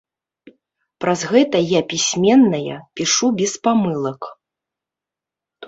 Праз гэта я пісьменная, пішу без памылак.